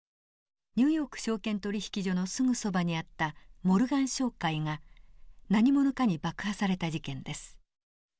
ニューヨーク証券取引所のすぐそばにあったモルガン商会が何者かに爆破された事件です。